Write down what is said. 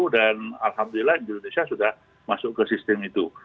dan alhamdulillah indonesia sudah masuk ke sistem itu